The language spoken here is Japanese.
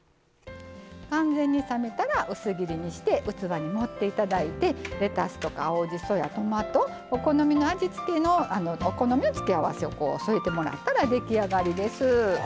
完全に冷めたら薄切りにして器に盛っていただいてレタス、青じそ、トマトお好みの付け合わせを添えてもらったら出来上がりです。